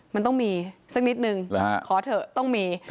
มันต้องมีสักนิดนึงขอเถอะต้องมี